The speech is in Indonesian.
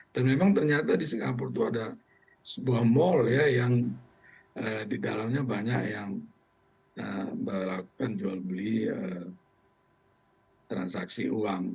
dan memang ternyata di singapura itu ada sebuah mall ya yang di dalamnya banyak yang berlakukan jual beli transaksi uang